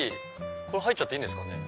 これ入っちゃっていいんですかね。